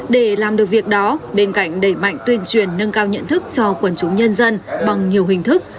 để làm được việc đó bên cạnh đẩy mạnh tuyên truyền nâng cao nhận thức cho quần chúng nhân dân bằng nhiều hình thức